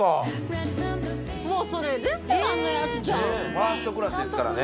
ファーストクラスですからね。